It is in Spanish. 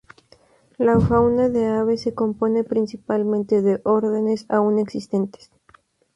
La fauna de aves se compone principalmente de órdenes aún existentes.